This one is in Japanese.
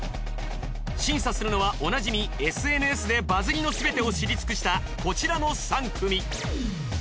審査するのはおなじみＳＮＳでバズりのすべてを知り尽くしたこちらの３組。